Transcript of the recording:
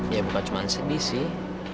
ya bukan cuma sedih sih